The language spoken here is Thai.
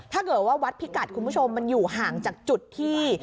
ถ้าเกิดว่าวัดพิกัดคุณผู้ชมมันอยู่ห่างจากจุดที่